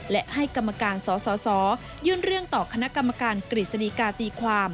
และให้กรรมการสสยื่นเรื่องต่อคณะกรรมการกฤษฎีกาตีความ